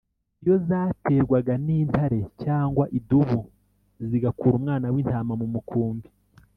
iyo zaterwaga n’intare cyangwa idubu zigakura umwana w’intama mu mukumbi